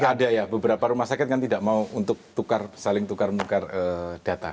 ada ya beberapa rumah sakit kan tidak mau untuk saling tukar mukar data